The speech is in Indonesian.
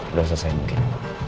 udah selesai mungkin